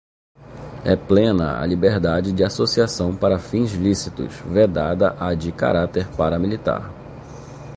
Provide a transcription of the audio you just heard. é plena a liberdade de associação para fins lícitos, vedada a de caráter paramilitar;